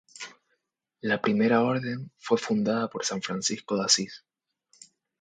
La Primera Orden fue fundada por san Francisco de Asís.